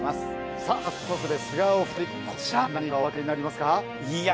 さあ早速ですがお二人こちら何かおわかりになりますか？